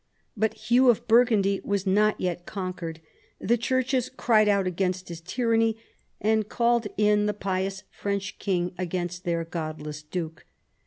But Hugh of Burgundy was not yet conquered. The churches cried out against his tyranny, and called in the pious French king against their godless duke.